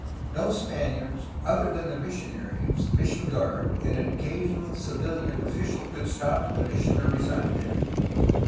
No Spaniards other than the missionaries, the mission guard, and an occasional civihan official could stop at the mission or reside there.